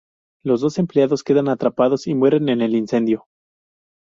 Los dos empleados quedan atrapados y mueren en el incendio.